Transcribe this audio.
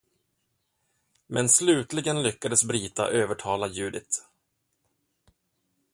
Men slutligen lyckades Brita övertala Judith.